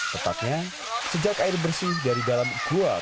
tepatnya sejak air bersih dari dalam gua